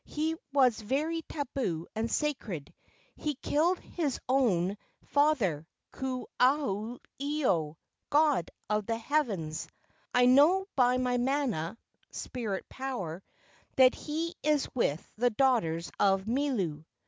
He was very tabu and sacred. He killed his own 204 LEGENDS OF GHOSTS father, Ku aha ilo, god of the heavens. I know by my mana [spirit power] that he is with the daughters of Milu."